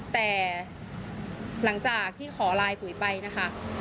แต่หลังจากที่ขอไลน์ปุ๋ยไปนะคะ